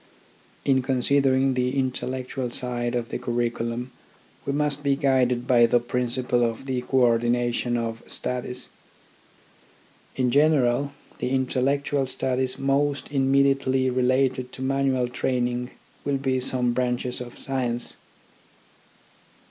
In considering the intellectual side of the curriculum we must be guided by the principle of the co ordination of studies. In general, the intellectual studies most immediately related to manual training will be some branches of science.